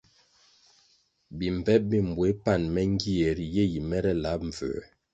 Bimbvep bi mbueh pan me ngie ri ye yi mere lab mbvuē,